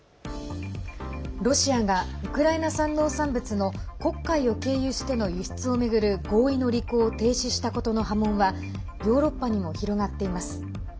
ロシアがウクライナ産農産物の黒海を経由しての輸出を巡る合意の履行を停止したことの波紋はヨーロッパにも広がっています。